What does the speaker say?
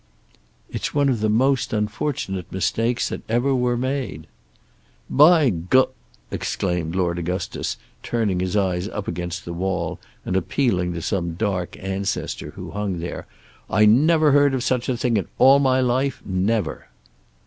"It's one of the most unfortunate mistakes that ever were made." "By G !" exclaimed Lord Augustus, turning his eyes up against the wall, and appealing to some dark ancestor who hung there. "I never heard of such a thing in all my life; never!"